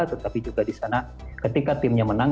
tetapi juga di sana ketika timnya menang